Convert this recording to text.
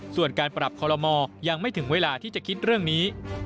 ส่วนการปรับคอลโลมอลยังไม่ถึงเวลาที่จะคิดเรื่องนี้